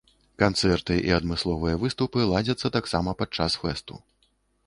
Канцэрты і адмысловыя выступы ладзяцца таксама падчас фэсту.